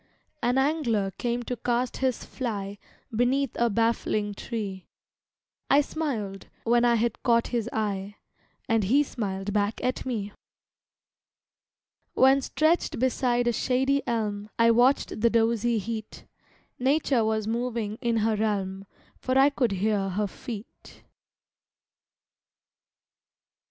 An angler came to cast his fly Beneath a baffling tree. I smiled, when I had caught his eye, And he smiled back at me. When stretched beside a shady elm I watched the dozy heat, Nature was moving in her realm, For I could hear her feet.